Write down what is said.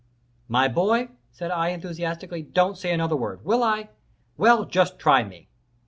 "My boy," said I, enthusiastically, "don't say another word. Will I? Well, just try me!"